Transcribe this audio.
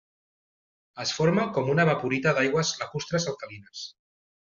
Es forma com una evaporita d'aigües lacustres alcalines.